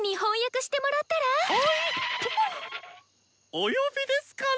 お呼びですかな。